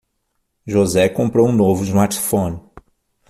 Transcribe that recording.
José comprou um novo smartphone.